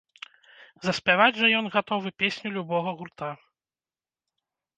Заспяваць жа ён гатовы песню любога гурта.